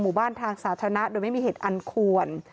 หมู่บ้านทางสาธารณะโดยไม่มีเหตุอันควร